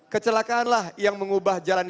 kecelakaanlah yang mengubah jalan